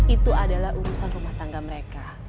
itu adalah urusan rumah tangga mereka